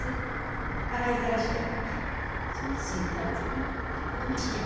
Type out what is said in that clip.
洗いざらしじゃがその寸足らずよりはよっぽどましじゃ。